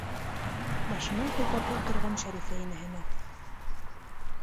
Башынан һыйпап ултырған Шәрифә инәһенә: